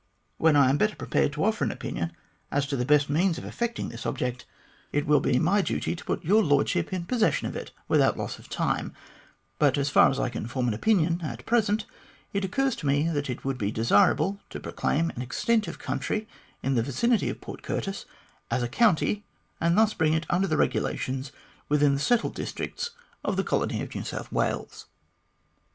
When I am better prepared to offer an opinion as to the best means of effecting this object, it will be 70 THE GLADSTONE COLONY my duty to put your Lordship in possession of it without loss of time ; but, as far as I can form an opinion at present, it occurs to me that it would be desirable to proclaim an extent of country in the vicinity of Port Curtis as a county, and thus bring it under the regulations within the settled districts of the colony of New South Wales."